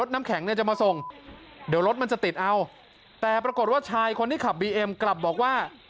น้ำแข็งเนี่ยจะมาส่งเดี๋ยวรถมันจะติดเอาแต่ปรากฏว่าชายคนที่ขับบีเอ็มกลับบอกว่า